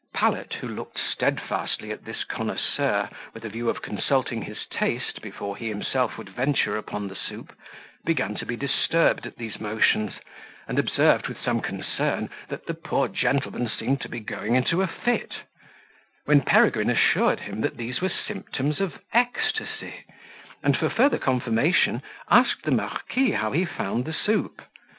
Pallet, who looked steadfastly at this connoisseur, with a view of consulting his taste, before he himself would venture upon the soup, began to be disturbed at these motions, and observed, with some concern, that the poor gentleman seemed to be going into a fit; when Peregrine assured him, that these were symptoms of ecstasy, and, for further confirmation, asked the marquis how he found the soup.